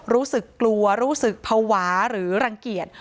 รู้สึกกลัวรู้สึกภาวะหรือรังเกียจ